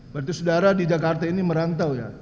berarti saudara di jakarta ini merantau ya